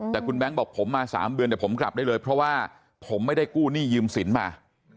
แต่คุณแบงค์บอกผมมา๓เดือนแต่ผมกลับได้เลยเพราะว่าผมไม่ได้กู้หนี้ยืมสินมา